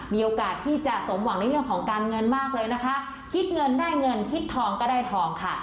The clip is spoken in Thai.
มีโอกาสที่จะสมหวังในเรื่องของการเงินมากเลยนะคะคิดเงินได้เงินคิดทองก็ได้ทองค่ะ